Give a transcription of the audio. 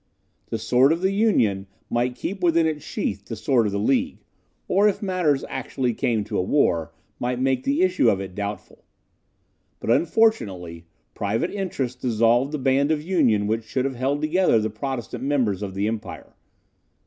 The sword of the Union might keep within its sheath the sword of the League; or if matters actually came to a war, might make the issue of it doubtful. But, unfortunately, private interests dissolved the band of union which should have held together the Protestant members of the empire.